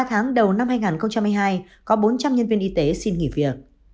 ba tháng đầu năm hai nghìn hai mươi hai có bốn trăm linh nhân viên y tế xin nghỉ việc